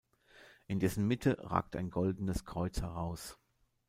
In dessen Mitte ragt ein goldenes Kreuz heraus.